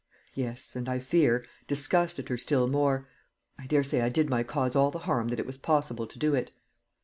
"Yes; and, I fear, disgusted her still more. I daresay I did my cause all the harm that it was possible to do it."